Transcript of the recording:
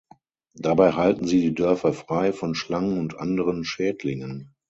Dabei halten sie die Dörfer frei von Schlangen und anderen Schädlingen.